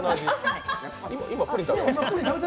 今、プリン食べました？